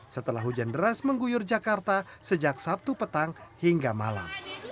setelah hujan deras mengguyur jakarta sejak sabtu petang hingga malam